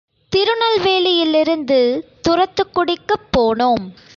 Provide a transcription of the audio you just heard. திருநெல்வேலியிலிருந்து துரத்துக்குடிக்குப் போனோம்.